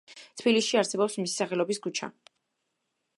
თბილისში არსებობს მისი სახელობის ქუჩა.